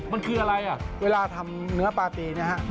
มันคืออะไรอ่ะเวลาทำเนื้อปลาตีเนี่ยฮะ